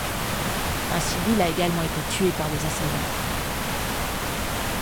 Un civil a également été tué par les assaillants.